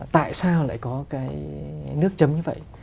tại sao lại có cái nước chấm như vậy